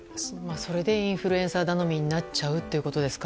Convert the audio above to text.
それでインフルエンサー頼みになっちゃうってことですか。